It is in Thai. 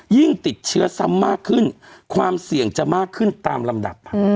ยิ่งติดเชื้อซ้ำมากขึ้นความเสี่ยงจะมากขึ้นตามลำดับ